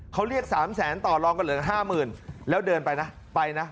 เขาเรียกสามแสนต่อรองกันเหลือห้าหมื่นแล้วเดินไปนะไปนะ